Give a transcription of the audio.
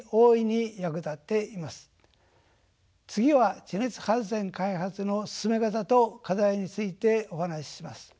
次は地熱発電開発の進め方と課題についてお話しします。